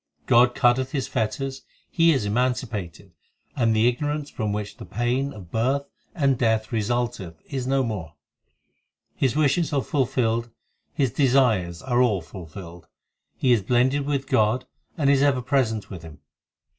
God cutteth his fetters, he is emancipated, And the ignorance from which the pain of birth and death resulteth is no more ; His wishes are fulfilled, his desires are all fulfilled ; He is blended with God and is ever present with Him.